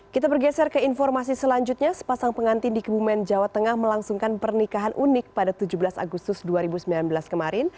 kita bergeser ke informasi selanjutnya sepasang pengantin di kebumen jawa tengah melangsungkan pernikahan unik pada tujuh belas agustus dua ribu sembilan belas kemarin